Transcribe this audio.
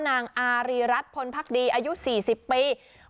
นางอารีรัฐพลพักดีอายุ๔๐ปี